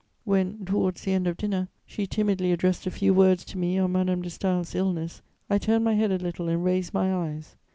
When, towards the end of dinner, she timidly addressed a few words to me on Madame de Staël's illness, I turned my head a little and raised my eyes.